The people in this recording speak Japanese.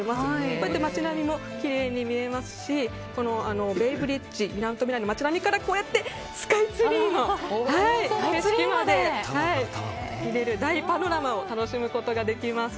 こういった街並みもきれいに見えますしベイブリッジ、みなとみらいの街並みからスカイツリーの景色まで見れる大パノラマを楽しむことができます。